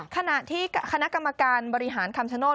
ขณะที่คณะกรรมการบริหารคำชโนธ